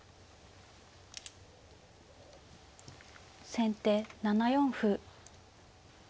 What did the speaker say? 先手７四歩。